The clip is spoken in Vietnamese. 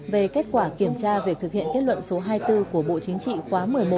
về kết quả kiểm tra việc thực hiện kết luận số hai mươi bốn của bộ chính trị khóa một mươi một